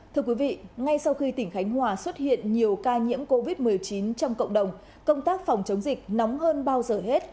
thưa quý vị ngay sau khi tỉnh khánh hòa xuất hiện nhiều ca nhiễm covid một mươi chín trong cộng đồng công tác phòng chống dịch nóng hơn bao giờ hết